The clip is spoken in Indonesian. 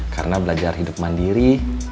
karena belajar hidup mandiri